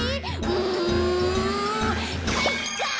うんかいか！